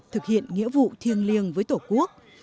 thực hiện nghĩa vụ thiêng liêng với tổ quốc